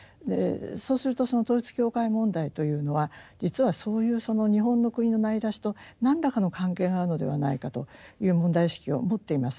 そうするとその統一教会問題というのは実はそういうその日本の国の成り立ちと何らかの関係があるのではないかという問題意識を持っています。